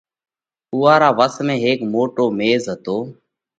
اُوئا را وس ۾ هيڪ موٽو ميز هتو